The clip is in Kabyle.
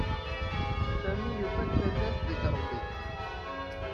Sami yufa-d tallalt deg Ṛebbi.